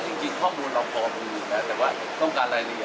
ก็จริงข้อมูลเราพอมิได้